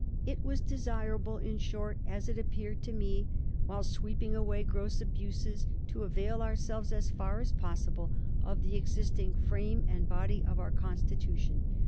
"It was desirable, in short, as it appeared to me, while sweeping away gross abuses, to avail ourselves, as far as possible, of the existing frame and body of our Constitution.